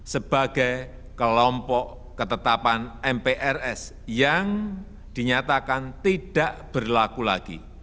sebagai kelompok ketetapan mprs yang dinyatakan tidak berlaku lagi